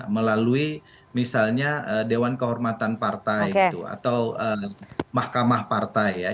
melalui misalnya dewan kehormatan partai gitu atau mahkamah partai ya